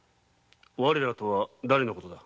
我らとはだれのことだ。